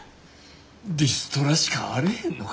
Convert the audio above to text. リストラしかあれへんのか。